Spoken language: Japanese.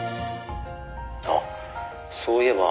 「あっそういえば」